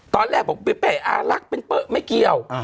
ตอนแรกบอกเป้อารักเป็นเป๊ะไม่เกี่ยว